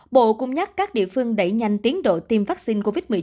bộ cũng nhắc các địa phương đẩy nhanh tiến độ tiêm vaccine covid một mươi chín